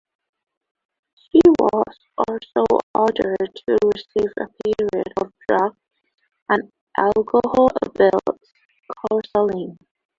She was also ordered to receive a period of drug and alcohol abuse counseling.